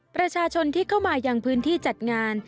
ประชาชนที่เข้ามายังพื้นที่จัดงาน